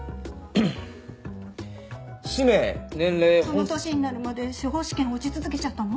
その年になるまで司法試験落ち続けちゃったの？